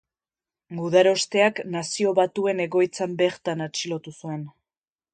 Gudarosteak Nazio Batuen egoitzan bertan atxilotu zuen.